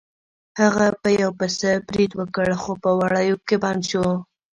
هغه په یو پسه برید وکړ خو په وړیو کې بند شو.